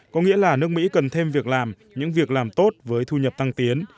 có nghĩa là nước mỹ cần thêm việc làm những việc làm tốt với thu nhập tăng tiến